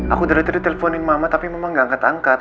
aku dari tadi teleponin mama tapi mama nggak angkat angkat